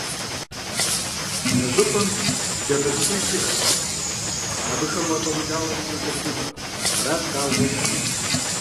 Мы щӀыпӀэм джабэ цӀыкӀуищ иӀэт, абыхэм уфӀэмыкӀауэ адэкӀэ укӀуэфынутэкъым, арат лъагъуэу иӀэри.